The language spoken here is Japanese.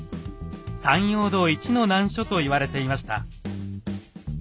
山陽道一の難所と言われていました。